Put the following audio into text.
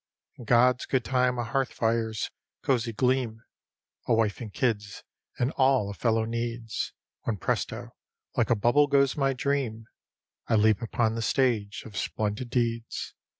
In God's good time a hearth fire's cosy gleam, A wife and kids, and all a fellow needs; When presto! like a bubble goes my dream: I leap upon the Stage of Splendid Deeds.